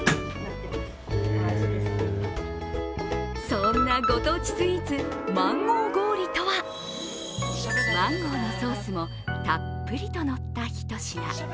そんなご当地スイーツ、マンゴー氷とはマンゴーのソースもたっぷりとのった、ひと品。